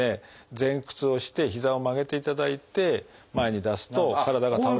前屈をして膝を曲げていただいて前に出すと体が倒れる。